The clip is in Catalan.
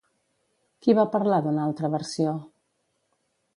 Qui va parlar d'una altra versió?